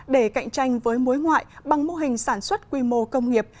để cạnh tranh với muối ngoại bằng mô hình sản xuất quy mô công nghiệp